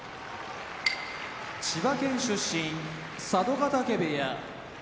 千葉県出身佐渡ヶ嶽部屋